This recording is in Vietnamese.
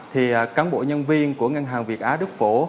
thì cán bộ nhân viên của ngân hàng việt á đức phổ